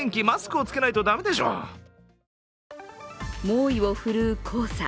猛威を振るう黄砂。